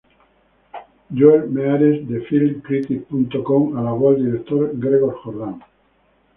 Joel Meares, de FilmCritic.Com, alabó al director Gregor Jordan.